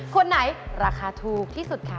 คนไหนราคาถูกที่สุดคะ